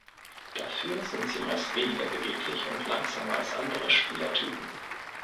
Dafür sind sie meist weniger beweglich und langsamer als andere Spielertypen.